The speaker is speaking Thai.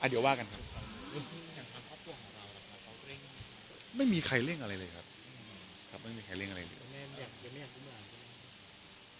เดี๋ยวว่ากันครับไม่มีใครเร่งอะไรเลยครับครับไม่มีใครเร่งอะไรเลย